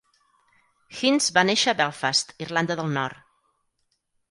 Hinds va néixer a Belfast, Irlanda del Nord.